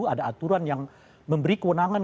ada aturan yang memberi kewenangan